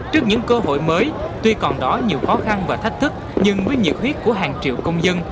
trước những cơ hội mới tuy còn đó nhiều khó khăn và thách thức nhưng với nhiệt huyết của hàng triệu công dân